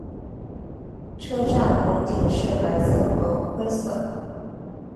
车站拱顶是白色和灰色。